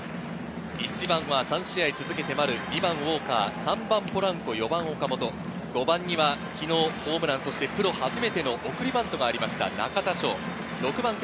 １番は３試合続けて丸、３番はポランコ、４番・岡本、５番は昨日ホームランとプロ初めての送りバントがありました、中田翔。